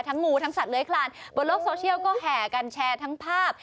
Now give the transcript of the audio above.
งูทั้งสัตว์เลื้อยคลานบนโลกโซเชียลก็แห่กันแชร์ทั้งภาพ